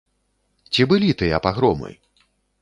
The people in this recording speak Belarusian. Ці былі тыя пагромы?